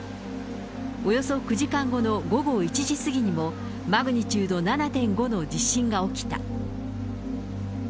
およそ９時間後の午後１時過ぎにも、マグニチュード７．５の地震が起きた。